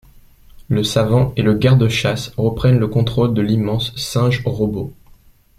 Le savant et le garde-chasse reprennent le contrôle de l'immense singe-robot.